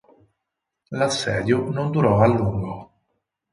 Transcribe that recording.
L'assedio non durò a lungo.